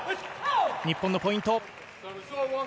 日本のポイント。